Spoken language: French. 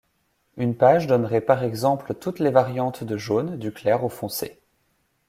Une page donnerait par exemple toutes les variantes de jaune, du clair au foncé.